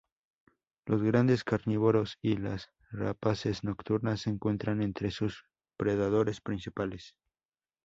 Los grandes carnívoros y las rapaces nocturnas se encuentran entre sus predadores principales.